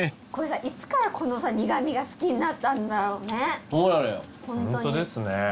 これさいつからこのさ苦味が好きになったんだろうね。